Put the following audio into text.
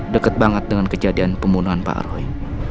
deket banget dengan kejadian pembunuhan pak roy